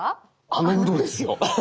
あのウドですよ。